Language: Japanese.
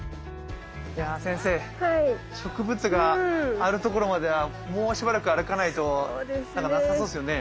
いやぁ先生植物があるところまではもうしばらく歩かないと無さそうですよね。